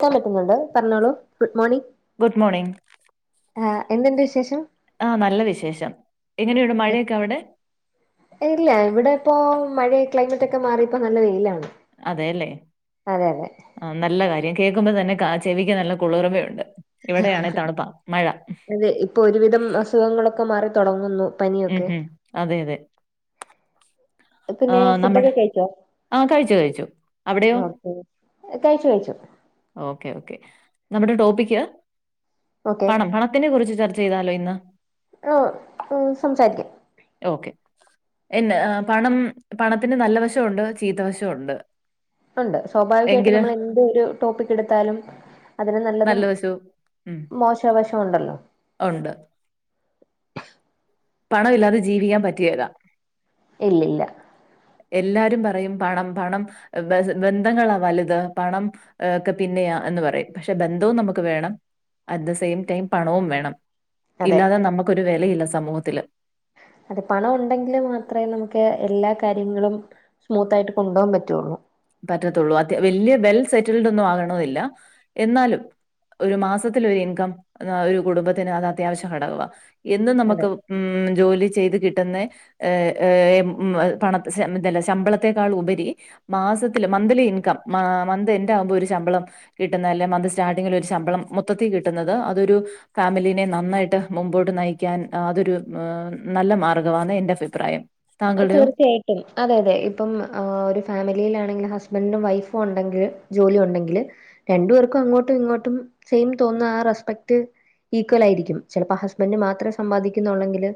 [unintelligible] ന്നുണ്ട് പർഞ്ഞോളൂ good morning. Good morning. ആഹ് എന്ത്ണ്ട് വിശേഷം? ആഹ് നല്ല വിശേഷം എങ്ങനെയുണ്ട് മഴയൊക്കെവടെ ഇല്ല ഇവടെ പ്പോ മഴ ക്ലൈമറ്റൊക്കെ മാറ്യപ്പോ നല്ല വെയിലാണ്. അതെല്ലേ അതെ അതെ ആ നല്ല കാര്യം കേക്കുമ്പോ തന്നെ കാ ചെവിക്ക് നല്ല കുളിർമയുണ്ട്. ഇവടെയാണേ തണ്പ്പ മഴ സുഖങ്ങളൊക്കെ മാറി തൊടങ്ങുന്നു. ഉം ഉം അതെ യതെ പിന്നെ നമ്മടെ ഫുഡൊക്കെ കഴിച്ചോ? ആ കഴിച്ചു, കഴിച്ചു. അവിടെയോ? ഓക്കെ കഴിച്ചു കഴിച്ചു. ഓക്കേ ഓക്കേ നമ്മടെ ടോപ്പിക്ക് ഓക്കെ പണം പണത്തിനെ കുറിച്ച് ചർ ചെയ്താലോ ഇന്ന് ആഹ് ഓഹ് സംസാരിക്കാം. ഓക്കെ എന്ന പണം പണത്തിന് നല്ല വശുണ്ട് ചീത്തവശുണ്ട്. ഉണ്ട് സ്വാഭാവികായിട്ട് നമ്മള് എന്തൊരു ടോപ്പിക്കെട്ത്താലും അതിന് നല്ലതും നല്ല വശവും ഉം, മോശവശൊണ്ടല്ലോ. ഉണ്ട് പണം ഇല്ലാതെ ജീവിക്കാൻ പറ്റിയേല്ല. ഇല്ല ഇല്ല എല്ലാരും പറയും പണം പണം ഏഹ് ബസ ബന്ധങ്ങളാ വല്ത് പണം ഏഹ് ഒക്കെ പിന്നെയാ എന്ന് പറയും പക്ഷെ ബന്ധവും നമ്മക്ക് വേണം അറ്റ് ദ സെയിം ടൈം പണവും വേണം അതെ ഇല്ലാതെ നമുക്കൊരു വെലയില്ല സമൂഹത്തില്. അതെ പണം ഉണ്ടെങ്കില് മാത്രമേ നമുക്ക് എല്ലാ കാര്യങ്ങളും സ്മൂത്തായിട്ട് കൊണ്ടോവാൻ പറ്റൊള്ളൂ. പറ്റത്തൊള്ളൂ അത്യ വല്യ വെൽ സെറ്റിൽ ഡൊന്നും ആകണോയില്ല എന്നാലും ഒര് മാസത്തിലൊര് ഇൻകം ഒര് കുടുംബത്തിന് അത് അത്യാവശ്യം ഘടകവാ എന്നും അതെ നമക്ക് ഉം ജോലി ചെയ്ത് കിട്ടുന്നെ ഏഹ് ഏഹ് ഉം പണത്തെ ശമ്പ ഇതല്ല ശമ്പളത്തെക്കാളുപരി മാസത്തില് മന്ത്ലി ഇൻകം മാ മന്ത് എൻ്റാവുമ്പം ഒരു ശമ്പളം കിട്ട്ന്ന എല്ലാ മന്ത് സ്റ്റാർട്ടിങ്ങിലൊര് ശമ്പളം മൊത്തത്തി കിട്ടുന്നത് അതൊരു ഫാമിലിനെ നന്നായിട്ട് മുമ്പോട്ട് നയിക്കാൻ അതൊരു എഹ് നല്ല മാർഗവാന്നെ എന്റെ ഫിപ്രായം. തീർച്ചയായി ട്ടും അതെ യതെ ഇപ്പം ഏഹ് ഒരു ഫാമിലിയിലാണെങ്കിലും ഹസ്ബൻറും വൈഫു ണ്ടെങ്കിൽ ജോലി ഉണ്ടെങ്കിൽ രണ്ട് പേർക്കും അങ്ങോട്ടും ഇങ്ങോട്ടും സെയിം തോന്നുന്ന ആ റെസ്പെക്ട് ഈക്വലായിരിക്കും ചെലപ്പോ ഹസ്ബൻഡ് മാത്രം സമ്പാദിക്കുന്നുള്ളെങ്കില്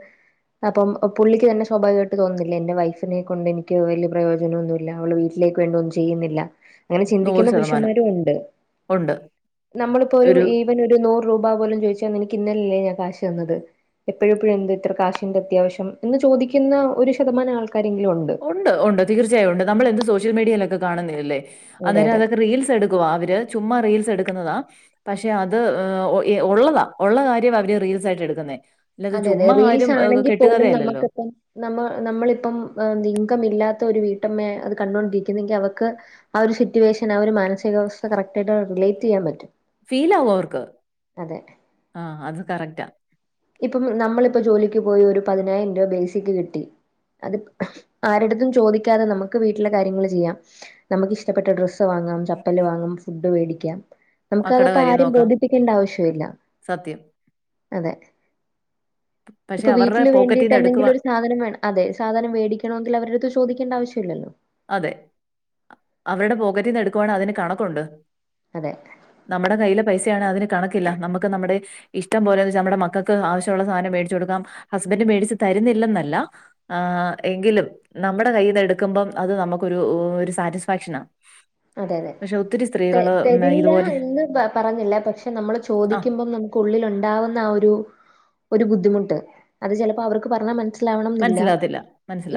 അപ്പം ഒപുള്ളിക്ക് തന്നെ സ്വാഭാവികാ ട്ട് തോന്നുല്ലേ എന്റെ വൈഫിനെ കൊണ്ട് എനിക്ക് വെല്ല്യെ പ്രയോജനൊന്നുല്ല അവള് വീട്ടിലേക്ക് വേണ്ടിയൊന്നും ചെയ്യുന്നില്ല. അങ്ങനെ നൂറ് ചിന്തിക്കുന്ന ശതമാനം പുരുഷന്മാരു ഉണ്ട് ഉണ്ട് നമ്മളിപ്പോ ഒരു ഈവന് ഒരു നൂറ് രൂപാ പോലും ചോദിച്ചാ നിനക്ക് ഇന്നലല്ലേ ഞാൻ കാശ് തന്നത് എപ്പഴെപ്പഴും എന്താ ഇത്ര കാശിന്റെ അത്യാവശ്യം എന്ന് ചോദിക്കുന്ന ഒരു ശതമാനം ആൾക്കാരെങ്കിലും ഉണ്ട് ഉണ്ട് ഉണ്ട് തീർച്ചായും ഉണ്ട് നമ്മൾ എന്ത് സോഷ്യൽ മീഡിയയിലൊക്കെ കാണുന്നില്ലല്ലേ അതെ അന്നേരം അതെ അതൊക്കെ റീൽസ് എടു [unintelligible] അവര് ചുമ്മാ റീൽസ് എടുക്കുന്നതാ പക്ഷേ അത് ഊ ഈ ഉള്ളതാ ഉള്ള കാര്യമാ അവര് റീൽസ് ആയിട്ട് എടുക്കുന്നേ അല്ലാതെ അതെ അതെ ചുമ്മാ റീൽസ് ആരും ഏഹ്, ആണെങ്കിൽ പോലും കെട്ടുകഥയല്ലല്ലോ. നമ്മക്കിപ്പം നമ്മ നമ്മളിപ്പം ഇൻകം ഇല്ലാത്ത ഒരു വീട്ടമ്മേ അത് കണ്ടോണ്ടിരിക്കുന്നെങ്കി അവക്ക് ആ ഒരു സിറ്റുവേഷൻ ആ ഒരു മാനസികാവസ്ഥ കറക്റ്റ് ആയിട്ട് റിലേറ്റ് ചെയ്യാൻ പറ്റും ഫീലാവും അവർക്ക് അതെ ആ അത് കറക്റ്റാ ഇപ്പം നമ്മളിപ്പോ ജോലിക്ക് പോയി ഒരു പതിനായിരം രൂപ ബേസിക്ക് കിട്ടി അത്പ് ആ ആരുടത്തും ചോദിക്കാതെ നമുക്ക് വീട്ടിലെ കാര്യങ്ങള് ചെയ്യാം നമ്മക്ക് ഇഷ്ടപ്പെട്ട ഡ്രസ്സ് വാങ്ങാം ചപ്പല് വാങ്ങാം ഫുഡ് വേടിക്കാം മക്കടെ നമുക്കത്പ്പോ കാര്യം ആരിം നോക്കാം. ബോധിപ്പിക്കേണ്ട ആവശ്യ ഇല്ല സത്യം. അതെ പക്ഷെ ഇപ്പൊ അവരുടെ വീട്ടില് വേണ്ടീട്ട് പോക്കറ്റീന്ന് എടുക്കുവാ എന്തെങ്കിലു ഒരു സാധനം വേണം അതെ സാധനം വേടിക്കണോങ്കില് അവരട്ത്ത് ചോദിക്കേണ്ട ആവശ്യലല്ലോ അതെ അവരുടെ പോക്കറ്റിന്ന് എടുക്കുവാണെ അതിന് കണക്കുണ്ട്. അതെ. നമ്മടെ കൈയ്യിലെ പൈസയാണെ അതിന് കണക്കില്ല നമ്മക്ക് നമ്മടെ. ഇഷ്ടം പോലെന്ന്ച്ചാ നമ്മടെ മക്കക്ക് ആവശ്യള്ള സാനം മേടിച്ചോട്ക്കാം ഹസ്ബന്റ് മേടിച്ച് തര്ന്നില്ലെന്നല്ലാ. ആഹ് എങ്കിലും നമ്മടെ കയ്യിന് എടുക്കുംമ്പം. അത് നമുക്കൊരു ഒരു സാറ്റിസ്ഫാക്ഷനാ. അതെതെ പക്ഷെ ഒത്തിരി തെ സ്ത്രീകള് മ് തെരില്ലാ ഇതുപോലെ എന്ന് പറഞ്ഞില്ല പക്ഷേ നമ്മള് ആഹ് ചോദിക്കുംമ്പം നമു ക്കുള്ളിലുണ്ടാവുന്ന ആ ഒരു ഒരു ബുദ്ധിമുട്ട് അത് ചെലപ്പോ അവർക്ക് പറഞ്ഞാ മൻസ് ലാവണംന്നില്ല മനസ്സിലാകത്തില്ല,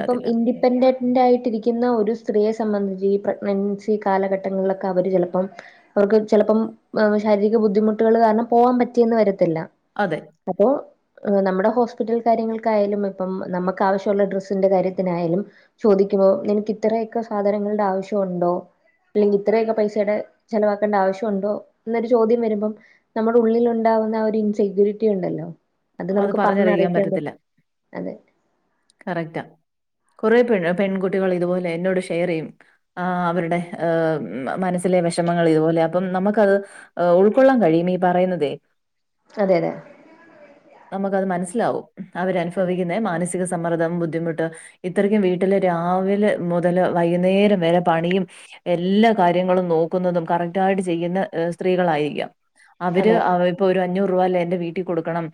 ഇപം ഇൻഡിപെൻ ന്റായിട്ടിര്ക്ക്ന്ന ഒരു സ്ത്രീയെ സംബന്ധിച്ച് ഈ പ്രഗ്നൻസി കാലഘട്ടങ്ങള്ലൊക്കെ അവര് ചെലപ്പം അവർക്ക് ചെലപ്പം വവ് ശാരീരിക ബുദ്ധിമുട്ട്കള് കാര്ണം പോവാൻ പറ്റിയന്ന് വരത്തില്ല. അതെ. അപ്പൊ. നമ്മുടെ ഹോസ്പിറ്റൽ കാര്യങ്ങൾക്കായാലും ഇപ്പം നമ്മക്ക് ആവശ്യള്ള ഡ്രസ്സിന്റെ കാര്യത്തിനായാലും. ചോദിക്കുമ്പോ നിനക്ക് ഇത്രയൊക്കെ സാധനങ്ങള്ടെ ആവശ്യെണ്ടോ? അല്ലെങ്കി ഇത്രയൊക്കെ പൈസെടെ ചെിലവാക്കണ്ട ആവശ്യണ്ടോ ന്നൊരു ചോദ്യം വരുമ്പം. നമ്മുടെ ഉള്ളിലുണ്ടാവുന്ന ആ ഒരു ഇൻസെക്യൂരിറ്റി ഉണ്ടല്ലോ അത് നമുക്ക് പറഞ്ഞ പറഞ്ഞറിയിക്കാൻ അറിയിക്കാൻ പറ്റ പറ്റത്തില്ല. അതെ. കറക്റ്റാ കുറേപെൺ പെൺകുട്ടികൾ ഇതുപോലെ എന്നോട് ഷെയർ ചെയ്യും ആഹ് അവരുടെ ഏ മ് മനസ്സിലെ വിഷമങ്ങള് ഇതുപോലെ അപ്പം നമക്കത്. എ ഉൾക്കൊള്ളാൻ കഴിയും ഈ പറയുന്നതെ. അതെ അതെ. നമുക്കത് മനസ്സിലാവും അതെ അവരനുഭവിക്കുന്നെ മാനസി സമ്മറ്ദ്ദം ബുദ്ധിമുട്ട് ഇത്രക്കും വീട്ടില് രാവിലെ മുതല് വൈകുന്നേരം വരെ പണിയും. എല്ലാ കാര്യങ്ങളും നോക്കുന്നതും കറക്റ്റായിട്ട് ചെയ്യ്ന്ന സ്ത്രീകളായിരിക്കാം. അവര് അതെ അവ പ്പൊരു അഞ്ഞൂറൂവല്ലെ എന്റെ വീട്ടി കൊടുക്കണം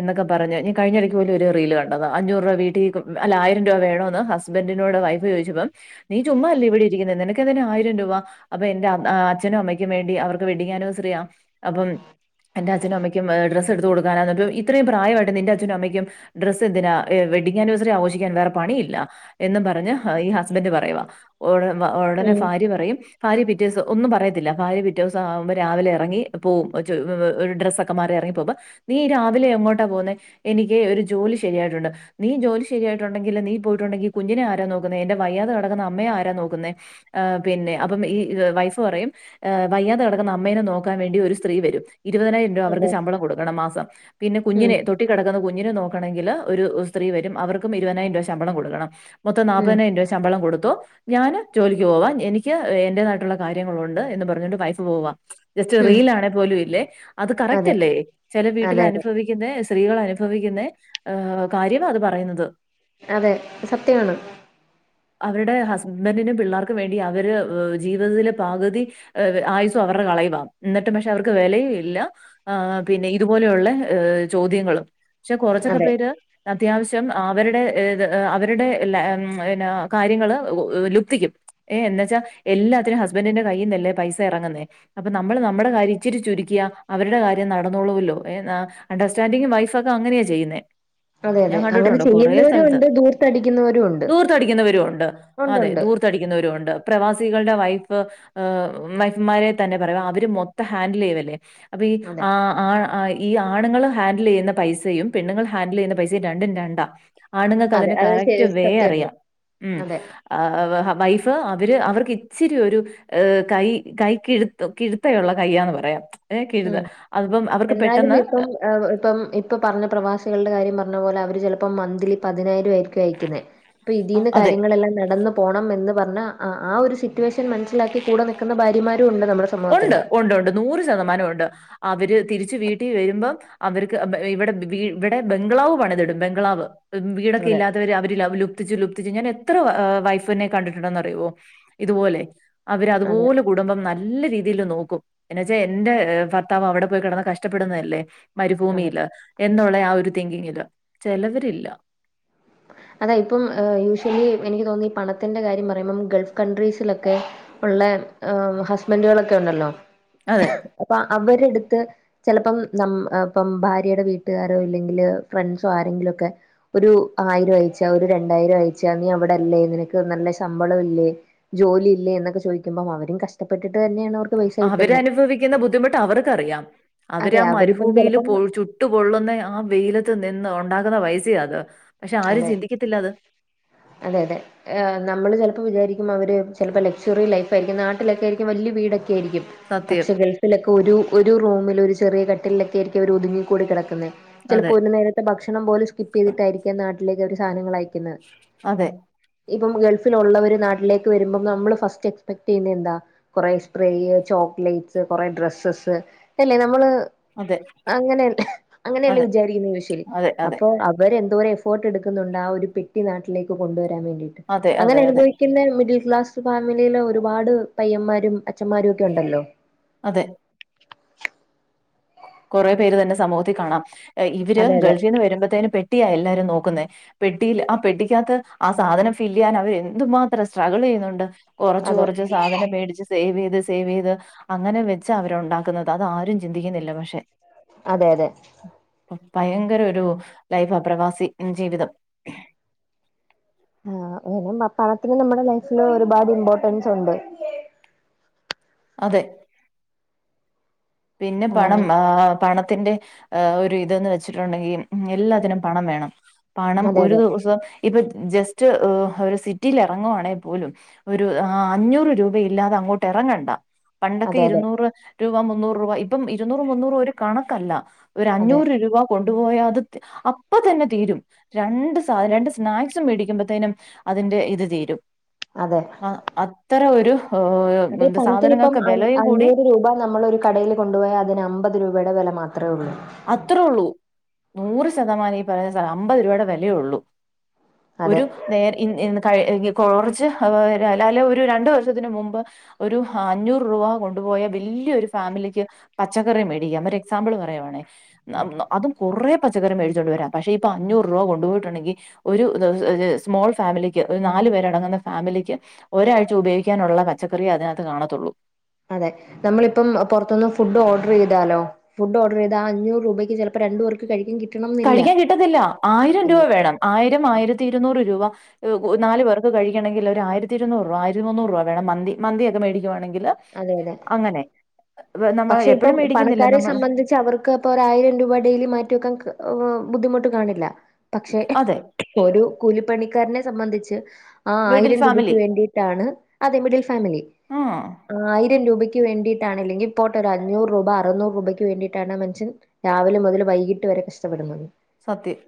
എന്നൊക്കെ പറഞ്ഞ് ഞാ കഴിഞ്ഞരക്ക് പോലു രു റീല് കണ്ടതാ അഞ്ഞൂർരൂപ വീട്ടിക്കും അല്ല ആയിരം രൂവവേണൊന്ന് ഹസ്ബന്റിനോട് വൈഫ് ചോയിച്ചപ്പം. നീ ചുമ്മാലെ ഇവിടെ ഇര്ക്ക്ന്നെ നിനക്കെന്തിനെ ആയിരം രൂപ. അപ്പൊ എന്റെ അം അച്ഛനും അമ്മക്കും വേണ്ടി അവർക്ക് വെഡിങ് ആനിവേഴ്സറിയാ അപ്പം. എൻ്റെ അച്ഛനുഅമ്മക്കും ഡ്രസെട്തുക്കാനാന്ന് ഇത്രയും പ്രായമായിട്ട് നിന്റച്ഛനും അമ്മക്കും. ഡ്രസ്സെന്തിനാ ഏ വെഡിംഗ് ആനിവേഴ്സറി ആഘോഷിക്കാൻ വേറെപണിയില്ല എന്നും പറ ഞ്ഞ് ഈ ഹസ്ബൻ് പറയുവാ ഓട ഓടെന്നെ ഉം ഭാര്യ പറയും. ഭാര്യ പിറ്റേസൊ ഒന്നും പറയത്തില്ല ഭാര്യ പിറ്റേസൊ ആവുമ്പോ രാവിലെറങ്ങി പോവും ചോ ഒരു ഡ്രസൊ ക്കെമാറി എറങ്ങിപ്പോകുമ്പൊ നീ ഈ രാവിലെ എങ്ങോട്ടാ പോന്നേ എനിക്ക് ഒരു ജോലി ശരിയായിട്ടുണ്ട്. നീ ജോലി ശരിയായിട്ടുണ്ടെങ്കില് നീ പോയിട്ടുണ്ടെങ്കി കുഞ്ഞിനെ ആരാ നോക്കുന്നെ എന്റെ വയ്യാതെ കിടക്കുന്ന അമ്മയെ ആരാ നോക്കുന്നെ. ആഹ് പിന്നെ അപ്പം ഈ വൈഫ് പറയും. ഏഹ് വയ്യാതെ കിടക്കുന്ന അമ്മേനെ നോക്കാൻ വേണ്ടി ഒരു സ്ത്രീ വരും. ഇരുപതിനായിരം രൂപ അവർക്ക് അതെ ശമ്പളം കൊടുക്കണം മാസം പിന്നെ ഉം കുഞ്ഞിനെ തൊട്ടി കെടക്ക്ന്ന കുഞ്ഞിനെ നോക്കണെങ്കില് ഒരു സ്ത്രീ വരും അവർക്കും ഇരു പൈനായിരം രൂപ ശമ്പളം കൊടുക്കണം മൊത്തം ഉം നാൽപ്പതിനായിരം രൂപ ശമ്പളം കൊടുത്തോ. ഞാന് ജോലിക്ക് പോവാ എനിക്ക് എൻ്റെതായിട്ടുള്ള കാര്യങ്ങളുണ്ട് എന്നും പറഞ്ഞിട്ട് വൈഫ് പോവാ ജസ്റ്റ് ഉം റീൽ ആണെ പോലും ഇല്ലേ അത് കറക്റ്റ് അതെ അല്ലേ ചെല വീട്ടില് അതെ അതെ അനുഫവിക്ക് ക്ക്ന്നെ സ്ത്രീകള് അനുഭവിക്കുന്നെ കാര്യമാ അത് പറയുന്നത്. അതെ സത്യമാണ്. അവരുടെ ഹസ്ബൻറ്റിനും പിള്ളേർക്കും വേണ്ടി അവര് ജീവിതത്തിലെ പാകുതി. ഏവ് ആയുസും അവറ്ടെ കളയുവാ എന്നിട്ടും പഷെ അവർക്ക് വിലയും ഇല്ല. ഏഹ് പിന്നെ ഇതുപോലെയുള്ള ഏഹ് ചോദ്യങ്ങളും ഷെ കൊറച്ചൊക്കെ അതെ പേര്. അത്യാവശ്യം അവരുടെ ഏത് അവരുടെ ലം ന കാര്യങ്ങള് ലുപ്തിക്കും. ഏഹ് എന്നവച്ച എല്ലാത്തിനും ഹസ്ബൻറിന്റെ കയ്യിന്നല്ലേ പൈസ ഇറങ്ങ്ന്നെ അപ്പൊ നമ്മള് നമ്മുടെ കാര്യം ഇച്ചിരി ചുരുക്കിയ അവരുടെ കാര്യം നടന്നോളുല്ലോ ഏഹ് ന അണ്ടെര്സ്ടന്റിങ് വൈഫൊക്കെ അങ്ങനെയാണ് ചെയ്യുന്ന അതെ ഞാൻ അതെ അങ്ങനെ കണ്ടിട്ടുണ്ടോ കൊറേ ചെയ്യുന്നവരും സ്ഥലത്ത് ഉണ്ട് ദൂർത്തടിക്കുന്നവരും ഉണ്ട് ദൂർത്തടിക്കുന്നവരും ഉണ്ട് അതെ ഉണ്ടുണ്ട് ദൂർത്ത് തടിക്കുന്നവരു ഉണ്ട് പ്രവാസികളുടെ വൈഫ് ആഹ് വൈഫ്‌മാരേ തന്നെ പറയാം അവര് മൊത്തം ഹാൻഡിൽ ചെയ്യവല്ലേ അപ്പ ഈ അതെ ആഹ് ആഹ് ഈ ആണുങ്ങൾ ഹാൻഡിൽ ചെയ്യുന്ന പൈസയും പെണ്ണുൾ ഹാൻഡിൽ ചെയ്യുന്ന പൈസ രണ്ടും രണ്ടാ ആണങ്ങക്ക് അതെ അതിന്റെ അത് കറക്റ്റ് ശരി വേ സത്യമാണ് അറിയാം ഉം അതെ ആഹ് വൈഫ് അവർ അവർക്ക് ഇച്ചിരി ഒരു ഏഹ് കൈ കൈ കിഴുത്ത കിഴുത്തയുള്ള കയ്യന്ന് പറയാം ഏഹ് കീഴത് ഉം അതിപ്പം അവർക്ക് എന്നാലും പെട്ടെന്ന് ഇപ്പം ഇപ്പം ഇപ്പൾ പറഞ്ഞ പ്രവാസികളുടെ കാര്യം പറഞ്ഞ പോലെ അവർ ചിലപ്പോം മന്ത്‌ലി പതിനായിരം ആയിരിക്കും അയക്കുന്നെ അപ്പൊ ഇതിൽന്ന് അതെ. കാര്യങ്ങളെല്ലാം നടന്ന് പോണം എന്ന് പറഞ്ഞ് ആഹ് ഒരു സിറ്റുവേഷൻ മനസ്സിലാക്കി കൂടെ നിൽക്കുന്ന ഭാര്യമാരും ഉണ്ട് നമ്മുടെ ഉണ്ട് സമൂഹത്തില് ഉണ്ട് ഉണ്ട് നൂറ് ശതമാനം ഉണ്ട് അവര് തിരിച്ച് വീട്ടിൽ വരുമ്പം അവർക്ക് ഇവിടെ ഇവിടെ ബംഗ്ലാവ് പണിതിടും ബംഗ്ലാവ് വീടൊക്കെ അതെ ഇല്ലാത്ത അവര് ലുപ്തിച്ചു ലുപ്തിച്ച് ഞാൻ എത്ര വൈഫിനെ കണ്ടിട്ടുണ്ടന്ന് അറിയുമോ ഇതുപോലെ അവര് അതെ അതുപോലെ കുടുംബം നല്ല രീതിയിൽ നോക്കും എന്ന വെച്ചാ എന്റെ ഭർത്താവ് അവിടെ പോയി കിടന്ന് കഷ്ടപ്പെടുന്നതല്ലേ അതെ മരുഭൂമിയില് എന്നുള്ള ആഹ് ഒരു തിങ്കിങ്ങില് ചിലവരില്ല അതാ ഇപ്പം യൂഷ്വലി എനിക്ക് തോന്നി ഈ പണത്തിന്റെ കാര്യം പറയുമ്പം ഗൾഫ് കൺട്രീസിലൊക്കെ ഉള്ളെ ഹസ്ബൻഡുകളൊക്കെ ഉണ്ടല്ലോ അതെ അപ്പൊ അവരെടുത്ത് ചിലപ്പം നമ് ഇപ്പം ഭാര്യയുടെ വീട്ടുകാരോ ഇല്ലെങ്കില് ഫ്രണ്ട്സോ ആരെങ്കിലും ഓക്കേ ഒരു ആയിരം അയിച്ചാ ഒരു രണ്ടായിരം അയച്ചാ നീ അവിടെല്ലേ നിനക്ക് നല്ല ശമ്പളം ഇല്ലേ ജോലി ഇല്ലേ എന്നൊക്കെ ചോദിക്കുമ്പം അവരും കഷ്ടപ്പെട്ടിട്ട് തന്നെയാണ് അവർക്ക് പൈസ അവര് കിട്ടുന്നെ അനുഭവിക്കുന്ന ബുദ്ധിമുട്ട് അവർക്കറിയാം അവര് അതെ ആഹ് അവരിപ്പം മരുഭൂമിയിൽ ചിലപ്പം പോയി ചു ട്ടുപൊള്ളുന്ന ആഹ് വെയിലത്ത് നിന്ന് ഉണ്ടാകുന്ന പൈസേ അത് പക്ഷെ ആരും അതെ ചിന്തിക്കത്തില്ല അത് അതെ അതെ നമ്മള് ചിലപ്പോൾ വിചാരിക്കും അവർ ചിലപ്പോൾ ലക്ഷ്വറി ലൈഫ് അയിയിരിക്കും നാട്ടിലൊക്കെ ആയിരിക്കും വലിയ വീടൊക്കെ ആയിരിക്കും സത്യം. പക്ഷെ ഗൾഫിലൊക്കെ ഒരു ഒരു റൂമിൽ ഒരു ചെറിയ കട്ടിലൊക്കെ ആയിരിക്കും അവര് ഒതുങ്ങിക്കൂടി കിടക്കുന്ന ചിലപ്പോ അതെ. ഒരു നേരത്തെ ഭക്ഷണം പോലും സ്കിപ്പ് ചെയ്തിട്ടായിരിക്കാം നാട്ടിലേക്ക് ഒരു സാധനങ്ങളായി ക്കുന്നെ അതെ. ഇപ്പം ഗൾഫിൽ ഉള്ളവര് നാട്ടിലേക്ക് വരുമ്പം നമ്മള് ഫസ്റ്റ് എക്സ്പെക്ട് ചെയ്യുന്നത് എന്താ കുറെ സ്പ്രേ ചോക്ലേറ്റ്സ് കൊറെ ഡ്രെസ്സസ് അല്ലേ നമ്മള് അതെ. അങ്ങനെയല്ല അങ്ങനെയല്ലേ അതെ. വിചാരിക്കുന്ന യുശലി അതെ. അതെ. അപ്പൊ അവര് എന്തോരം ഫോട്ട് എടുക്കുന്നുണ്ട് ആഹ് ഒരു പെട്ടിന നാട്ടിലേക്ക് കൊണ്ടുവരാൻ വേണ്ടിട്ട് അതെ. അങ്ങനെ അതെ. അതെ. അനുഭവിക്കുന്ന മിഡിൽ ക്ലാസ് ഫാമിലിയില ഒരുപാട് പയ്യന്മാരും അച്ന്മാരും ഒക്കെ ഉണ്ടല്ലോ അതെ കുറെ പേര് തന്നെ സമൂഹത്തിൽ കാണാം ഇവര് അതെ അതെ ഗൾഫി നിന്ന് വരുമ്പോഴത്തേന് പെട്ടിയ എല്ലാരും നോക്കുന്നേ പെഡട്ടിൽ ആഹ് പെട്ടിക്കകത്ത് ആഹ് സാധനം ഫില് ചെയ്യൻ അവര് എന്തുമാത്രം സ്ട്രഗിൾ ചെയ്യുന്നുണ്ട് കുറച്ച് അതെ കുറച്ച് സാധനം പേടിച്ച് സേവ് ചെയ്ത് സേവ് ചെയ്ത് അങ്ങനെ വെച്ച അവർണ്ടാക്കുന്നത് അത് ആരും ചിന്തിക്കുന്നില്ല പക്ഷെ അതെ അതെ ഭയങ്കര ഒരു ലൈഫാ പ്രവാസി ജീവിതം ആഹ് പിന പണത്തിന് നമ്മുടെ ലൈഫില് ഒരുപാട് ഇമ്പോർട്ടൻസ് ഉണ്ട് അതെ പിന്നെ പണം ആഹ് പണത്തിന്റെ ആഹ് ഒരു ഇതന്ന് വെച്ചിട്ടുണ്ടെങ്കിൽ എല്ലാത്തിനും പണം വേണം പണം അതെ ഒരു അതെ ദിവസം ഇപ്പ ജസ്റ്റ് ഒരു സിറ്റിൽ ഇറങ്ങുവാണെങ്കിൽ പോലും ഒരു അഞ്ഞൂറ് രൂപ ഇല്ലാതെ അങ്ങോട്ട് ഇറങ്ങണ്ട പണ്ടൊക്കെ അതെ അതെ ഇരുന്നൂറ് രൂപ മുന്നൂറ് രൂപ ഇപ്പം ഇരുന്നൂറ് മുന്നൂറ് ഒരു കണക്കല്ല ഒരു അതെ അഞ്ഞൂറ് രൂപ കൊണ്ടുപോയാ അത് അപ്പം തന്നെ തീരും രണ്ട് സാധ രണ്ട് സ്നാക്സും മേടിക്കുമ്പോത്തേനും അതിന്റെ ഇത് തീരും അതെ ആഹ് അത്ര ഒരു ഓഹ് അതെ പണത്തിന് ഇപ്പം അഞ്ഞ് അഞ്ഞൂറ് രൂപ നമ്മളൊരു കടയിൽ കൊണ്ടുപോയാൽ അതിന് അമ്പത് രൂപയുടെ വില മാത്രമേ ഉള്ളൂ അത്രേ ഉള്ളൂ നൂറ് ശതമാനം ഈ പറയന്ന സാധ അമ്പത് രൂപയുടെ വിലയോള്ളൂ അതെ ഒരു നേര കുറച്ച് അല്ലേ ഒരു രണ്ടു വർഷത്തിന് മുമ്പ് ഒരു അഞ്ഞൂറ് രൂപ കൊണ്ടുപോയ വലിയ ഒരു ഫാമിലിക്ക് പച്ചക്കറി മേടിക്കാം ഒരു എക്സാമ്പിൾ പറയുവാണേ അതും കുറെ പച്ചറി മേടിച്ചുകൊണ്ട് വരാം പക്ഷെ ഇപ്പൊ അഞ്ഞൂറ് രൂപ കൊണ്ടുപോയിട്ടുണ്ടെങ്കിൽ ഒരു ദ സ്മോൾ ഫാമിലിക്ക് ഒരു നാല് പേരടങ്ങുന്ന ഫാമിലിക്ക് ഒരാഴ്ച ഉപയോഗിക്കാനുള്ള പച്ചക്കറിയ അതിനകത്ത് കാണത്തുള്ളൂ അതെ നമ്മളിപ്പം പുറത്തൊന്ന് ഫുഡ് ഓർഡർ ചെയ്താലോ ഫുഡ് ഓഡർ ചെയ്ത ആ അഞ്ഞൂറ് രൂപയ്ക്ക് ചിലപ്പോ രണ്ട് പേർക്ക് കഴിക്കാൻ കി കഴിക്കാൻ കിട്ടത്തില്ല ആയിരം രൂപ വേണം ആയിരം ആയിരത്തി ഇരനൂറ് രൂപ നാല് പേർക്ക് കഴിക്കണമെങ്കിൽ ഒരു ആയിരത്തി ഇരൂനൂറ് രൂപ ആയിരത്തി മൂന്നൂറ് രൂപ വേണം മന്തി മന്തി ഒക്കെ മേടിക്കുവാണെങ്കിൽ അതെ അതെ അങ്ങനെ നമ്മൾ പക്ഷെ ഇപ്പം എപ്പഴും മേടിക്കുന്നില്ല പണക്കാരെ നമ്മള്. സംബന്ധിച്ച് പക്ഷെ അവർക്ക് അപ്പൊ ഒരു ആയിരം രൂപ ഡെയിലി മാറ്റിവെക്കാൻ ബുദ്ധിമുട്ട് കാണില്ല പക്ഷെ അതെ. ഒരു കൂലിപ്പണിക്കാരനെ സംബന്ധിച്ച് ആഹ് മിഡിൽ ആയിരം രൂപക്ക് ഫാമിലി. വേണ്ടിയിട്ടാണ് അതെ മിഡിൽ ഫാമിലി ആഹ്. ആയിരം രൂപക്ക് വേണ്ടിയിട്ടാണല്ലേ അല്ലെങ്കിൽ പോട്ടെ ഒരു അഞ്ഞൂറ് രൂപ അറുന്നൂറ് രൂപയ്ക്ക് വേണ്ടിയിട്ടാണ് ആഹ് മനുഷ്യൻ രാവിലെ മുതൽ വൈകിട്ട് വരെ കഷ്ടപ്പെടുന്നത് സത്യം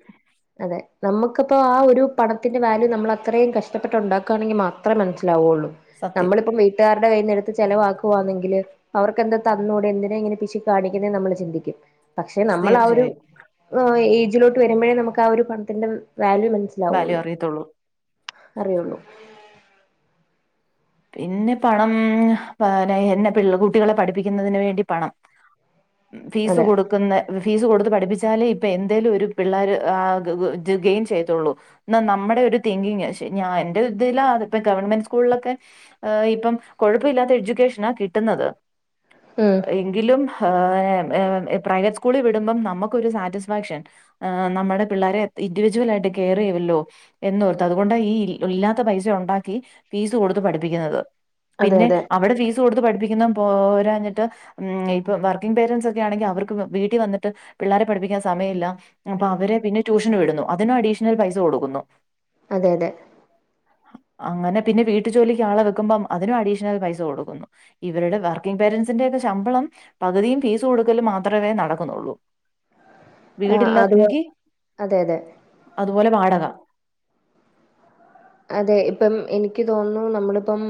അതെ നമുക്കിപ്പോ ആഹ് ഒരു പണത്തിന്റെ വാല്യൂ നമ്മൾ അത്രയും കഷ്ടപ്പെട്ട് ഉണ്ടാക്കുകയാണെങ്കിൽ മാത്രം മാത്രം മനസ്സിലാവുള്ളൂ സത്യം. നമ്മളിപ്പം വീട്ടുകാരുടെ കയ്യ്ന്നെടുത്ത് ചിലവാക്കുവാണെങ്കിൽ അവർക്കെന്താ തന്നൂടെ എന്തിന ഇങ്ങനെ പിശിക്ക് കാണിക്കുന്നേ നമ്മൾ ചിന്തിക്കും പക്ഷെ നമ്മൾ ആഹ് ഒരു തീർച്ചയായും. ആഹ് ഏജിലോട്ട് വരുമ്പോഴേ നമുക്ക് ആഹ് ഒരു പണത്തിൻ്റെ വാല്യൂ വാല്യൂ മനസ്സിലാവുള്ളു അറിയത്തുള്ളൂ. അറിയുള്ളൂ പിന്നെ പണം എന്നെ കുട്ടികളെ പഠിപ്പിക്കുന്നതിന് വേണ്ടിയുളള പണം ഫീസ് അതെ കൊടുക്കുന്നേ ഫീസ് കൊടുത്ത് പഠിപ്പിച്ചാലേ ഇപ്പം എന്തേലും ഒരു പിള്ളേർ ആ ഗെയിൻ ചെയ്യത്തുള്ളൂ എന്ന നമ്മുടെ ഒരു തിങ്കിങ് ഞാൻ എന്റെ ഇതില ഇപ്പ ഗവൺമെന്റ് സ്കൂളിലൊക്കെ ഇപ്പം കൊഴപ്പമില്ലാത്ത എഡ്യൂക്കേഷനാ കിട്ടുന്നത് ഉം ങ്കിലും ഹേ പ്രൈവറ്റ് സ്കൂളിൽ വിടുമ്പോം നമുക്കൊരു സാറ്റിസ്ഫാക്ഷൻ ആ നമ്മുടെ പിള്ളോരെ ഇൻഡിവിജ്വൽ ആയിട്ട് കെയർ ചെയ്യുമല്ലോ എന്നോർത്ത അതുകൊണ്ട് ഈ ഇല്ലാത്ത പൈസ ഉണ്ടാക്കി ഫീസ് കൊടു പഠിപ്പിക്കുന്നത് അതെ പിന്നെ അതെ അവിടെ ഫീസ് കൊടുത്ത് പഠിപ്പിക്കുന്ന പോരാഞ്ഞിട്ട് ഉം ഇപ്പൊ വർക്കിംഗ് പാരൻസ് ഒക്കെ ആണെങ്കിൽ അവർക്ക് വീട്ടിൽ വന്നിട്ട് പിള്ളാരെ പഠിപ്പിക്കാൻ സമയമില്ല അപ്പൊ അവരെ പിന്നെ ട്യൂഷന് വിടുന്നു അതിന് അഡീഷണൽ പൈസ കൊടുക്കുന്നു അതെ അതെ അങ്ങനെ പിന്നെ വീട്ടു ജോലിക്ക് ആളെ വെക്കുമ്പം അതിനും അഡീഷണൽ പൈസ കൊടുക്കുന്നു ഇവരുടെ വർക്കിംഗ് പേരൻസിന്റെ ഒക്കെ ശമ്പളം പകുതിയും ഫീസ് കൊടുക്കല് മാത്രമേ നടക്കുന്നുള്ളൂ ആ അത് വീടില്ലെങ്കി അതെ അതെ അതുപോലെ വാടക അതെ ഇപ്പം എനിക്ക് തോന്നുന്നു നമ്മളിപ്പം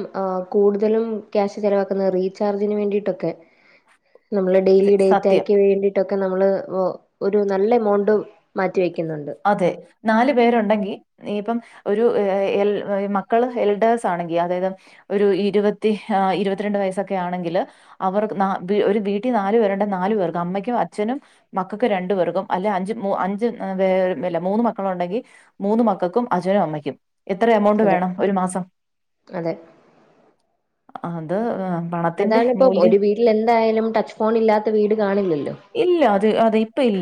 കൂടുതലും ക്യാഷ് ചെലവാക്കുന്ന രീ ചാർജിന് വേണ്ടയിട്ടൊക്കെ [inaudible] നമ്മള് ഡെയ്ലി സത്യം ഡേറ്റായ്ക്കു വേണ്ടി തൊക്കെ നമ്മള് ഒ ഒരു നല്ലെമൗണ്ട് മാറ്റി വെക്കുന്നൊണ്ട്. അതെ, നാലു പേരൊണ്ടെങ്കി ഇപ്പം ഒരു എ എ എൽ ഒരു മക്കള് എൽഡേഴ്സാണെങ്കി അതായത് ഒരു ഇരുപത്തി ആ ഇരുപത്തിരണ്ട് വയസ്സൊക്കെ ആണെങ്കില് അവർക്ക്‌ നാ വീ ഒരു വീട്ടിൽ നാലു പേരൊണ്ടേ നാലു പേർക്ക് അമ്മയ്ക്കും അച്ഛനും മക്കക്ക് രണ്ടു പേർക്കും അല്ലെ അഞ്ച് മൂ അഞ്ച് എ പേ ല്ല മൂന്ന് മക്കളൊണ്ടെങ്കി മൂന്ന് മക്കക്കും അച്ഛനും അമ്മയ്ക്കും എത്ര എമൗണ്ട് അതെ വേണം ഒരു മാസം, അതെ അത് ആ പണത്തിന്റെ അതാണിപ്പം ഒരു മൂല്യം വീട്ടിലെന്തായാലും ടച്ച് ഫോൺ ഇല്ലാത്ത വീട് കാണില്ലല്ലോ. ഇല്ല അത് അതീപ്പ ഇല്ല.